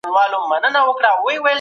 کله باید ټولي بریښنایی وسیلې بندي کړو؟